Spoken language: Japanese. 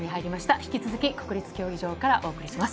引き続き国立競技場からお送りします。